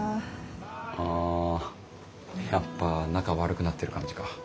あやっぱ仲悪くなってる感じか。